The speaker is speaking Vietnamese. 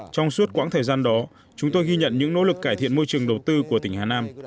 trong suốt quãng thời gian đó chúng tôi ghi nhận những nỗ lực cải thiện môi trường đầu tư của tỉnh hà nam